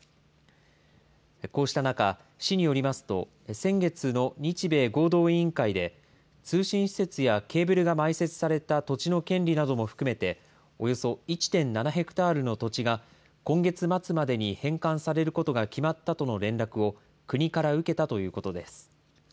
こうした中、市によりますと、先月の日米合同委員会で通信施設やケーブルが埋設された土地の権利なども含めて、およそ１．７ヘクタールの土地が今月末までに返還されることが決まったとの連絡を、国から受けたということです。